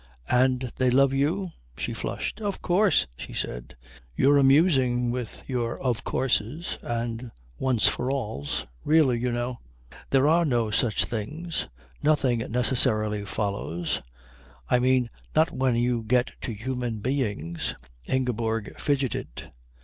"And they love you?" She flushed. "Of course," she said. "You're amusing with your of courses and once for alls. Really you know there are no such things. Nothing necessarily follows. I mean, not when you get to human beings." Ingeborg fidgeted.